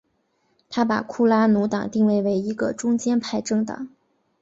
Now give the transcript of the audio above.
他把库拉努党定位为一个中间派政党。